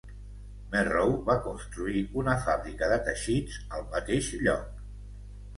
Merrow va construir una fàbrica de teixits al mateix lloc.